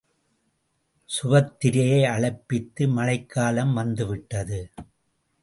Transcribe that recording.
சுபத்திரையை அழைப்பித்து மழைக்காலம் வந்து விட்டது.